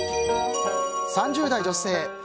３０代女性。